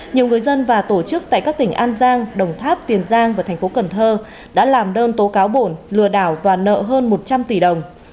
nhiều người dân và tổ chức tại các tỉnh an giang đồng tháp tiền giang và thành phố cần thơ đã làm đơn tố cáo bổn lừa đảo và nợ hơn một trăm linh tỷ đồng